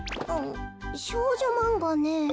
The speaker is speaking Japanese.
少女マンガねえ。